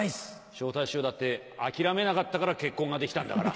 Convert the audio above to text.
昇太師匠だって諦めなかったから結婚ができたんだから。